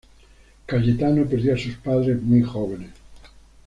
Cayetano perdió a sus padres muy jóvenes.